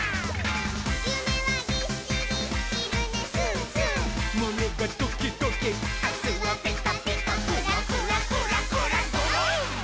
「ゆめはぎっしりひるねすーすー」「むねがドキドキ」「あすはピカピカ」「クラクラクラクラドロン！」